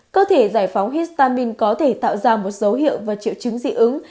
cơ thể giải phóng histamine có thể tạo ra một dấu hiệu và triệu chứng dị ứng